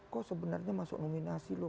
kok sebenarnya masuk nominasi loh